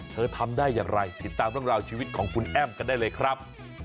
ทำได้อย่างไรติดตามเรื่องราวชีวิตของคุณแอ้มกันได้เลยครับ